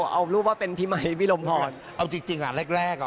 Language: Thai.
เอาจริงอ่ะแรก